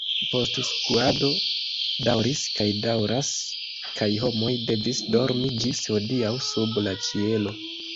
Postskuado daŭris kaj daŭras kaj homoj devis dormi ĝis hodiaŭ sub la ĉielo.